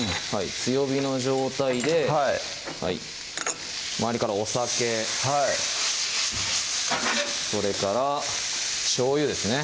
強火の状態ではい周りからお酒それからしょうゆですね